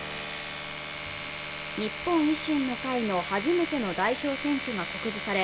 日本維新の会の初めての代表選挙が告示され